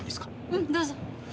うんどうぞ。